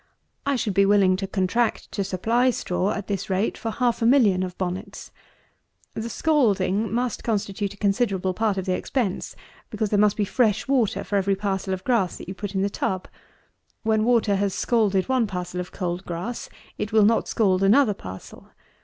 I should be willing to contract to supply straw, at this rate, for half a million of bonnets. The scalding must constitute a considerable part of the expense; because there must be fresh water for every parcel of grass that you put in the tub. When water has scalded one parcel of cold grass, it will not scald another parcel.